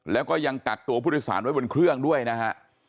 แล้วก็ยังกักตัวผู้โดยสารไว้บนเครื่องด้วยนะฮะ